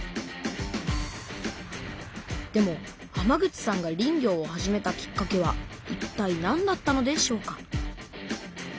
でも浜口さんが林業を始めたきっかけはいったいなんだったのでしょうか？